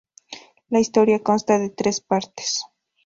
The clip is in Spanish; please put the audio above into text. La historia consta de tres partes.